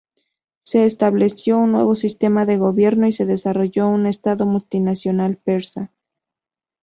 Se estableció un nuevo sistema de gobierno y se desarrolló un estado multinacional persa.